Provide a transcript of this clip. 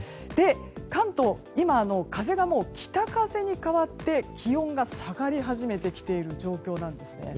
関東、今風がもう北風に変わって気温が下がり始めてきている状況なんです。